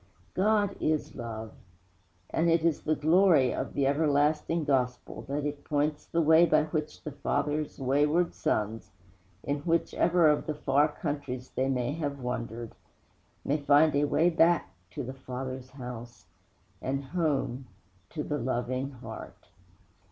God is Love; and it is the glory of the everlasting Gospel that it points the road by which the Father's wayward sons in whichever of the far countries they may have wandered may find a way back to the Father's house, and home to the Loving Heart.